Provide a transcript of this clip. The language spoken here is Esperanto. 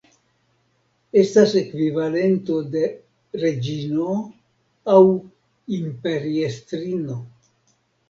Estas ekvivalento de "reĝino" aŭ "imperiestrino".